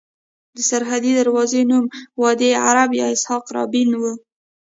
د سرحدي دروازې نوم وادي عرب یا اسحاق رابین وو.